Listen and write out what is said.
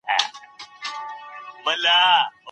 زه به حق ادا کړم.